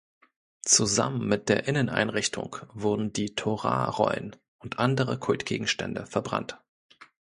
Zusammen mit der Inneneinrichtung wurden die Torarollen und andere Kultgegenstände verbrannt.